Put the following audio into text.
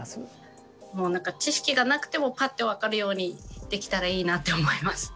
もう何か知識がなくてもパッて分かるようにできたらいいなと思います。